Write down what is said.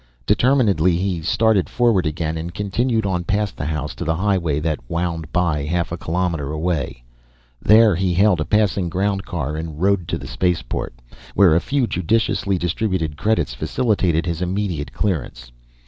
Determinedly he started forward again and continued on past the house to the highway that wound by half a kilometer away. There he hailed a passing ground car and rode to the spaceport, where a few judiciously distributed credits facilitated his immediate clearance.